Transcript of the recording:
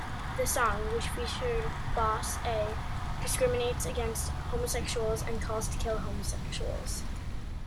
The song, which featured Boss A, discriminates against homosexuals and calls to kill homosexuals.